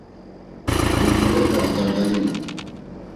Burgulepe adardalinu.